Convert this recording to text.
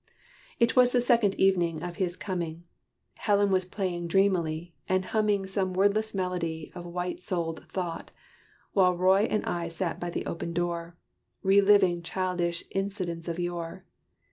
It was the second evening of his coming. Helen was playing dreamily, and humming Some wordless melody of white souled thought, While Roy and I sat by the open door, Re living childish incidents of yore.